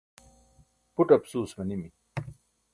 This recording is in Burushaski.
buṭ apsuus manimi